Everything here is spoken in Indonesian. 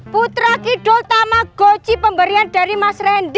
putra kidul tamagoci pemberian dari mas randy